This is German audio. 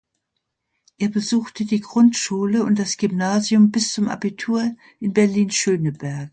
Er besuchte die Grundschule und das Gymnasium bis zum Abitur in Berlin-Schöneberg.